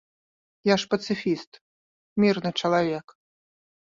Я ж пацыфіст, мірны чалавек.